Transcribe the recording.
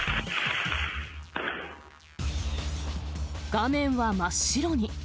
画面は真っ白に。